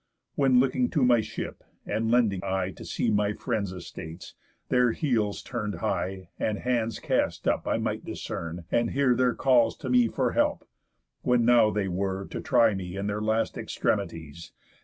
When looking to my ship, and lending eye To see my friends' estates, their heels turn'd high, And hands cast up, I might discern, and hear Their calls to me for help, when now they were To try me in their last extremities.